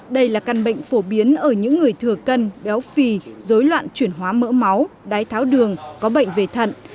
đây là căn bệnh phổ biến ở những người thừa cân béo phì dối loạn chuyển hóa mỡ máu đái tháo đường có bệnh về thận